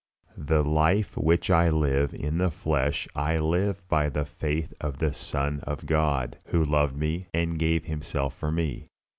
"The life which I live in the flesh I live by the faith of the Son of God, who loved me, and gave Himself for me."